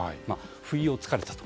不意を突かれたと。